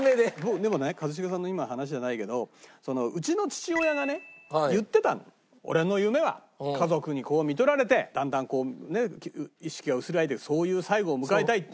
でもね一茂さんの今の話じゃないけどうちの父親がね言ってたの俺の夢は家族に看取られてだんだん意識が薄らいでそういう最期を迎えたいって。